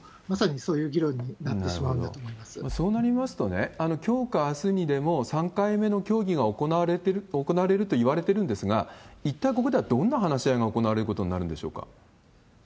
まさにそういう議論になってしまうんだと思そうなりますと、きょうかあすにでも、３回目の協議が行われるといわれてるんですが、一体ここではどんな話し合いが行われることになるんでしょうか？